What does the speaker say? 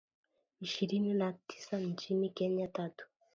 ishirini na tisanchini Kenya tatu